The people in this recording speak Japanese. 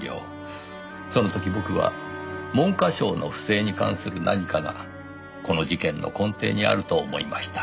その時僕は文科省の不正に関する何かがこの事件の根底にあると思いました。